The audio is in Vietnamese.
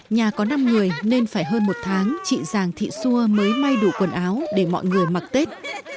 nhà có năm người nên phải hơn một tháng chị giàng thị xua mới may đủ quần áo để mọi người mặc tết